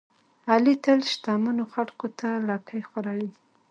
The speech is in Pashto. علي تل شتمنو خلکوته لکۍ خوروي.